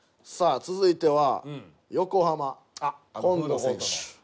さあ続いては横浜紺野選手。